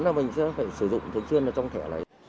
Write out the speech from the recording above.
sau đó mình sẽ phải sử dụng cái chuyên ở trong thẻ này